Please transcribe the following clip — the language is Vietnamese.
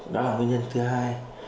đó là nguyên nhân thứ hai